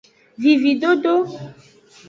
Vividodo.